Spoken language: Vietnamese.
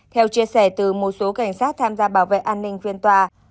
theo chia sẻ từ một số cảnh sát tham gia bảo vệ an ninh phiên tòa